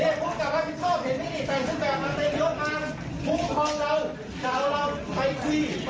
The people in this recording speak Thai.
เออกรวจพี่แม่ตอนนี้แม่แม่อย่างเก็บอยู่น้ายอย่างพัก